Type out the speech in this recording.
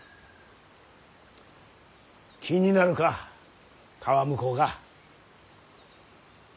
気になるか川向こうが。